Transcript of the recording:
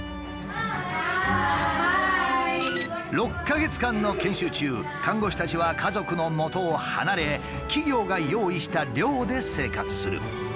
６か月間の研修中看護師たちは家族のもとを離れ企業が用意した寮で生活する。